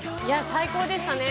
◆最高でしたね。